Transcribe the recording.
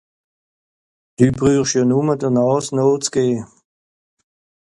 Dü brüsch jo nùmme de Nààs nooch ze gehn.